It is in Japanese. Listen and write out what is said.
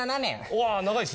おわ長いっすね。